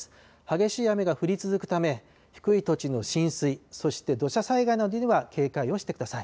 激しい雨が降り続くため、低い土地の浸水、そして土砂災害などには警戒をしてください。